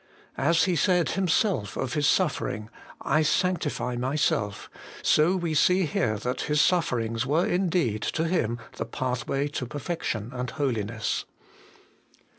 As He said 254 HOLY IN CHRIST. Himself of His suffering, ' I sanctify myself/ so we see here that His sufferings were indeed to Him the pathway to perfection and holiness.